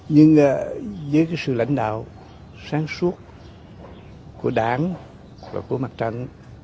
nhưng với cái sự lãnh đạo sáng suốt của đảng và của mặt trận